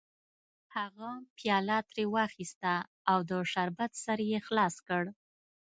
هغه پیاله ترې واخیسته او د شربت سر یې خلاص کړ